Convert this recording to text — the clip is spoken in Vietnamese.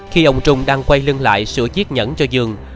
khi ông trung đang quay lưng lại sửa chiếc nhẫn cho giường